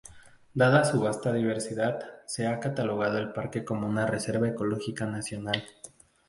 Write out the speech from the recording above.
Dada su vasta diversidad, se ha catalogado el parque como una reserva ecológica nacional.